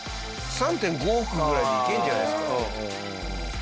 ３．５億ぐらいでいけるんじゃないですか？